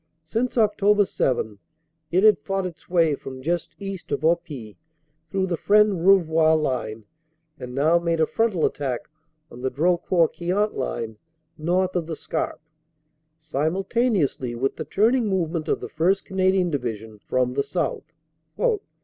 Since Oct. 7 it had fought its way from just east of Oppy through the Fresnes Rouvroy line and now made a frontal attack on the Drocourt Queant line north of the Scarpe, simultaneously with the turning movement of the 1st. Canadian Division from the south.